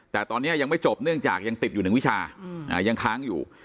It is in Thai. แต่ตอนนี้ยังไม่จบเนื่องจากยังติดอยู่หนึ่งวิชายังค้างอยู่